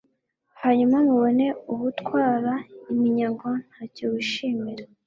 hanyuma mubone ubutwara iminyago nta cyo mwishisha